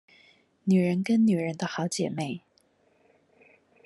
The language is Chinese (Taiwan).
女人跟女人的好姐妹